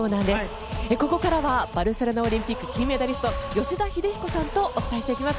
ここからはバルセロナオリンピック金メダリスト吉田秀彦さんとお伝えしていきます。